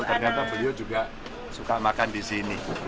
ternyata beliau juga suka makan di sini